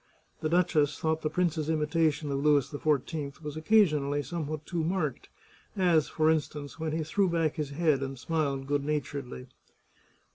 The duchess thought the prince's imitation of Louis XIV was occasionally somewhat too marked, as, for instance, when he threw back his head and smiled good naturedly.